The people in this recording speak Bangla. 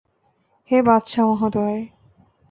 হে বাদশাহ মহোদয়!